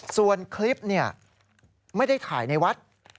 ส่วนคลิปไม่ได้ถ่ายในวัด